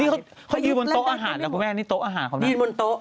นี่เขายืนวนโต๊ะอาหารเดี่ยวแม่นี่โต๊ะอาหารเขานะ